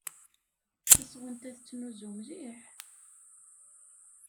Tasɣunt-a tettnuzu mliḥ.